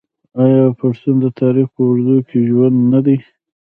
آیا پښتون د تاریخ په اوږدو کې ژوندی نه دی؟